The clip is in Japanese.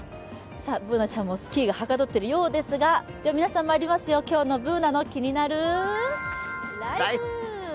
Ｂｏｏｎａちゃんもスキーがはかどってるようですが、皆さん、いきますよ、今日の、「ＢｏｏｎａのキニナルＬＩＦＥ」。